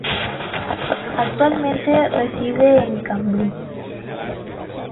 Actualmente reside en Cambridge.